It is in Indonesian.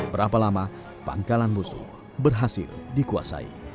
berapa lama pangkalan musuh berhasil dikuasai